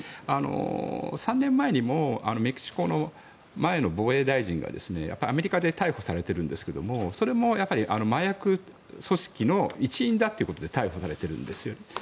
３年前にもメキシコの前の防衛大臣がアメリカで逮捕されてるんですけどもそれも麻薬組織の一員だということで逮捕されているんです。